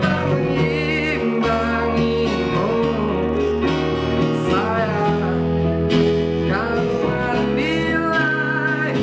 hal ini terjadi lewati privisi